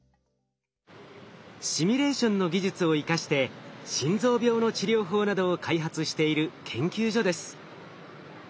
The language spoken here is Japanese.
シミュレーションの技術を生かして心臓病の治療法などを開発している研究所です。